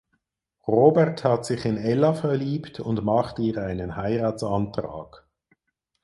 Robert hat sich in Ella verliebt und macht ihr einen Heiratsantrag.